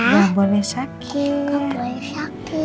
gak boleh sakit